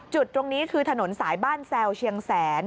จุดตรงนี้คือถนนสายบ้านแซวเชียงแสน